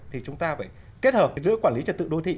thì chúng ta phải kết hợp giữa quản lý trật tự đô thị